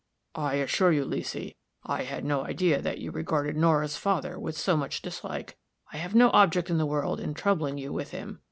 "I assure you, Leesy, I had no idea that you regarded Nora's father with so much dislike. I have no object in the world in troubling you with him.